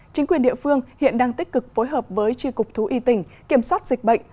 chính quyền địa phương hiện đang tích cực phối hợp với tri cục thú y tỉnh kiểm soát dịch bệnh